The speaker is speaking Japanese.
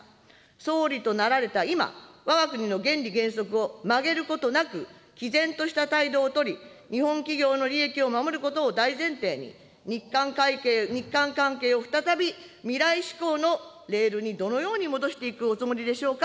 総理となられた今、わが国の原理原則を曲げることなく、きぜんとした態度を取り、日本企業の利益を守ることを大前提に、日韓関係を再び未来志向のレールにどのように戻していくおつもりでしょうか。